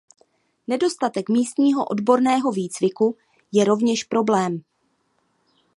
Nedostatek místního odborného výcviku je rovněž problém.